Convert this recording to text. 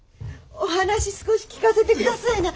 お話少し聞かせて下さいな。